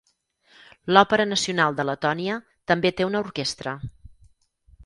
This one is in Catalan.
L'Òpera Nacional de Letònia també té una orquestra.